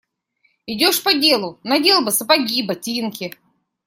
Идешь по делу – надел бы сапоги, ботинки.